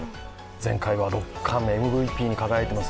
前回は６冠、ＭＶＰに輝いています。